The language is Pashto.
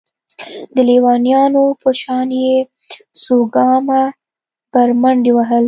د ليونيانو په شان يې څو ګامه بره منډې وهلې.